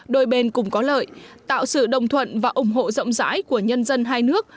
đôi bên cùng có lợi tạo sự đồng thuận và ủng hộ rộng rãi của nhân dân hai nước